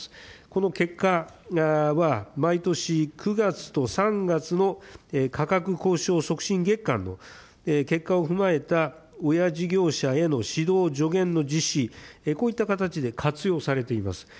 この結果は、毎年９月と３月の価格交渉促進月間の結果を踏まえた親事業者への指導助言の実施、こういった形で活用されています。